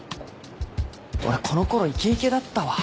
俺このころイケイケだったわ。